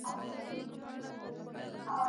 او راتلونکو نسلونو ته یې وسپارو.